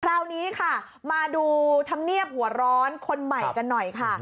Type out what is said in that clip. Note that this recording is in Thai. คราวนี้ค่ะมาดูธรรมเนียบหัวร้อนคนใหม่กันหน่อยค่ะ